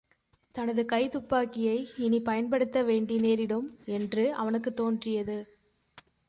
தனது கைத்துப்பாக்கியை இனிப் பயன்படுத்த வேண்டி நேரிடும் என்று அவனுக்குத் தோன்றியது.